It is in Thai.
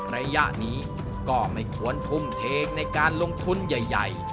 ระยะนี้ก็ไม่ควรทุ่มเทในการลงทุนใหญ่